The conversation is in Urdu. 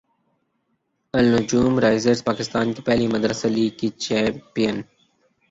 النجوم رائزرز پاکستان کی پہلی مدرسہ لیگ کی چیمپیئن